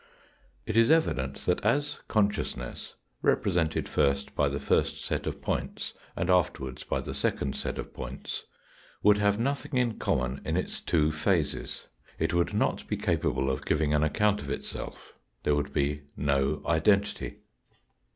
It is evident that as consciousness, represented first by the first set of points and afterwards by the second set of points, would have nothing in common in its two phases. It would not be capable of giving an account of itself. There would be no identity.